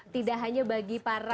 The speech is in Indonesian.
tidak hanya bagi para